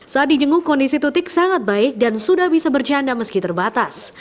saat di jenguk kondisi tutik sangat baik dan sudah bisa bercanda meski terbatas